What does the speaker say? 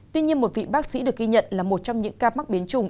tuy nhiên một vị bác sĩ được ghi nhận là một trong những ca mắc biến chủng